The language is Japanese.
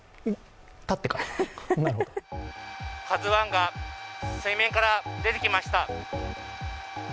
「ＫＡＺＵⅠ」が水面から出てきました。